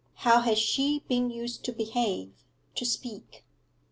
How had she been used to behave, to speak?